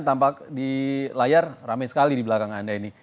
tampak di layar ramai sekali di belakang anda ini